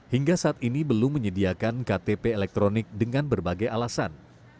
hingga saat ini belum menyediakan ktp elektronik dengan berbagai alasan